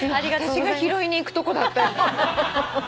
私が拾いに行くとこだったよ。